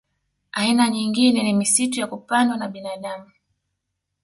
Aina nyingine ni misitu ya kupandwa na binadamu